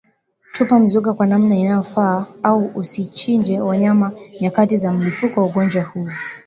Tupa mizoga kwa namna inayofaa au usichinje wanyama nyakati za mlipuko wa ugonjwa huu